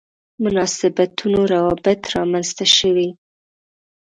مناسبتونه روابط رامنځته شوي.